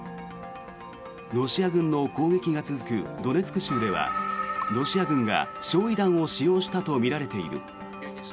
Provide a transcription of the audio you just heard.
ロシア軍の攻撃が続くドネツク州ではロシア軍が焼い弾を使用したとみられている。